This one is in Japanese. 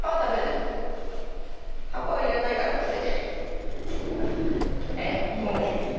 葉っぱは要らないからこうやって。